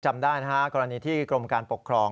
จำได้นะฮะกรณีที่กรมการปกครอง